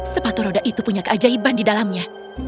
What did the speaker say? sepatu roda itu punya keajaiban di dalamnya